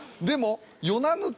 でも。